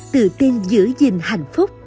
tự tin giữ gìn hạnh phúc